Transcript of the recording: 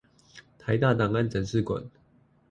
臺大檔案展示館